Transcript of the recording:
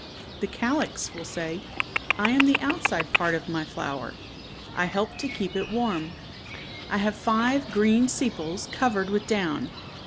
The calyx will say, " I am the outside part of my flower. I help to keep it warm. I have five green sepals cov ered with down.